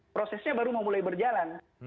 prosesnya baru memulai berjalan